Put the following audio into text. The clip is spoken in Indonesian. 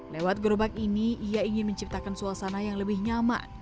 lewat gerobak ini ia ingin menciptakan suasana yang lebih nyaman